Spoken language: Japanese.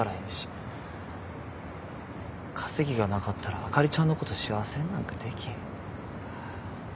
稼ぎがなかったらあかりちゃんのこと幸せになんかできへん。